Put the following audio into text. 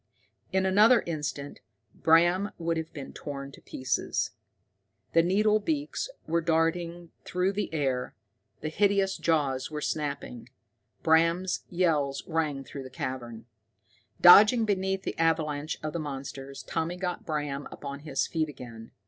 In another instant Bram would have been torn to pieces. The needle beaks were darting through the air, the hideous jaws were snapping. Bram's yells rang through the cavern. Dodging beneath the avalanche of the monsters, Tommy got Bram upon his feet again.